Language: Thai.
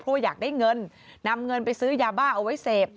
เพราะว่าอยากได้เงินนำเงินไปซื้อยาบ้าเอาไว้เสพ